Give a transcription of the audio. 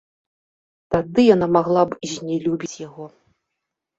Тады яна магла б знелюбіць яго.